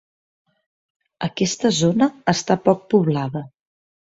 Aquesta zona està poc poblada.